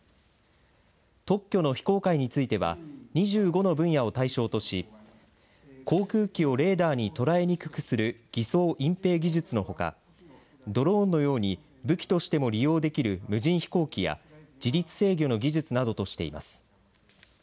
特許の非公開については２５の分野を対象とし航空機をレーダーに捉えにくくする偽装・隠蔽技術のほかドローンのように武器としても利用できる無人飛行機や自律制御の技術などとしています。